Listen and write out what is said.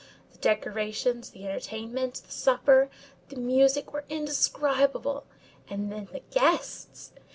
The decorations, the entertainment, the supper, the music were indescribable! and then the guests!